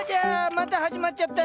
また始まっちゃった！